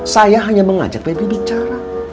saya hanya mengajak bebe bicara